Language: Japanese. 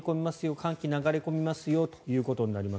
寒気、流れ込みますよということになります。